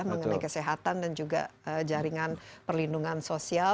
mengenai kesehatan dan juga jaringan perlindungan sosial